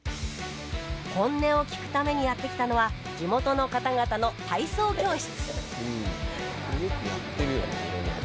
本音を聞くためにやって来たのは地元の方々の体操教室